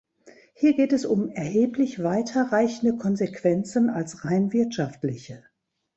Hier geht es um erheblich weiter reichende Konsequenzen als rein wirtschaftliche.